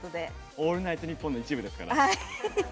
「オールナイトニッポン」１部ですから。